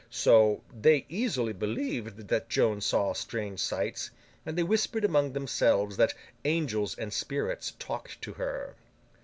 So, they easily believed that Joan saw strange sights, and they whispered among themselves that angels and spirits talked to her.